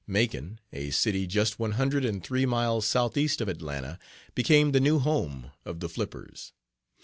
Macon, a city just one hundred and three miles south east of Atlanta, became the new home of the Flippers.